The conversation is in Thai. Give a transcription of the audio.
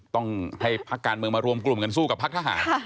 ต้องให้พักการเมืองมารวมกลุ่มกันสู้กับพักทหาร